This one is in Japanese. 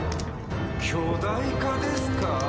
巨大化ですか。